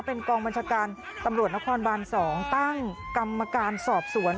เป็นกองบัญชาการตำรวจนครบาน๒ตั้งกรรมการสอบสวน